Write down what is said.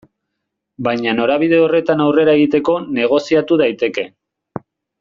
Baina norabide horretan aurrera egiteko negoziatu daiteke.